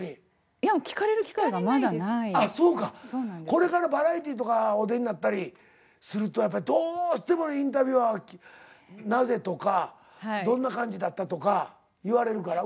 これからバラエティーとかお出になったりするとどうしてもインタビュアーは「なぜ」とか「どんな感じだった」とか言われるから。